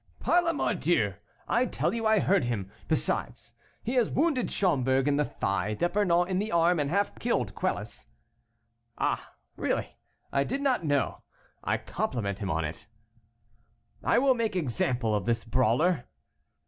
"Par la mordieu! I tell you I heard him. Besides, he has wounded Schomberg in the thigh, D'Epernon in the arm, and half killed Quelus." "Ah! really I did not know; I compliment him on it." "I will make example of this brawler."